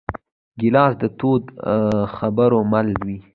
ګیلاس د تودو خبرو مل وي.